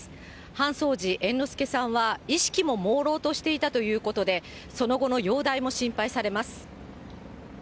搬送時、猿之助さんは意識ももうろうとしていたということで、その後の容態も心配されます。